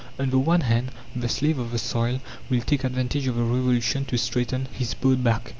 On the one hand the slave of the soil will take advantage of the Revolution to straighten his bowed back.